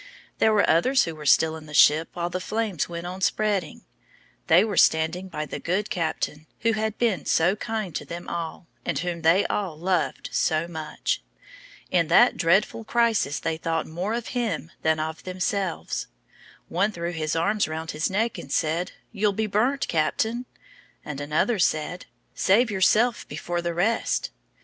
There were others who were still in the ship while the flames went on spreading. They were standing by the good captain, who had been so kind to them all, and whom they all loved so much. In that dreadful crisis they thought more of him than of themselves. One threw his arms round his neck and said: "You'll be burnt, Captain;" and another said: "Save yourself before the rest."